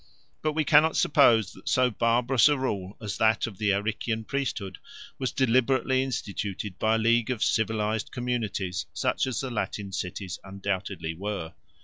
But we cannot suppose that so barbarous a rule as that of the Arician priesthood was deliberately instituted by a league of civilised communities, such as the Latin cities undoubtedly were.